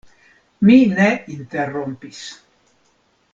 Mi ne interrompis.